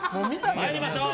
参りましょう。